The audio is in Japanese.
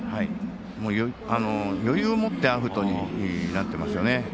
余裕を持ってアウトになっていますよね。